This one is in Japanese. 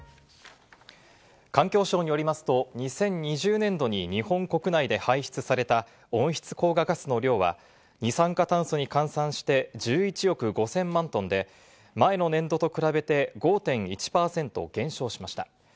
環境省によりますと２０２０年度に日本国内で排出された温室効果ガスの量は、二酸化炭素に換算して１１億５０００万トンで前の年度と比べて５．１％減少しました。